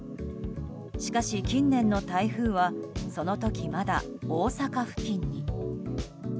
しかし、近年の台風はその時、まだ大阪付近に。